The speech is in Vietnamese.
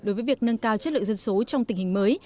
đối với việc nâng cao chất lượng dân số trong tình hình mới